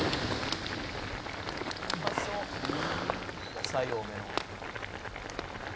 「野菜多めの」